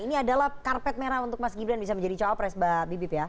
ini adalah karpet merah untuk mas gibran bisa menjadi cawapres mbak bibip ya